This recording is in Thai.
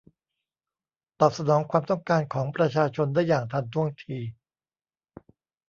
ตอบสนองความต้องการของประชาชนได้อย่างทันท่วงที